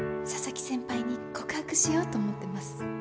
佐々木先輩に告白しようと思ってます。